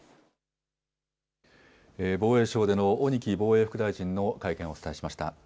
防衛省での鬼木防衛副大臣の会見をお伝えしました。